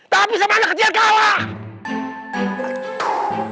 tapi sama anak kecil kalah